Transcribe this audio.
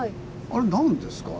あれ何ですか？